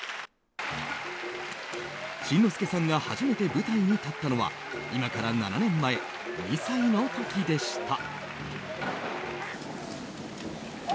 新之助さんが初めて舞台に立ったのは今から７年前２歳の時でした。